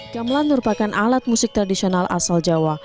gamelan merupakan alat musik tradisional asal jawa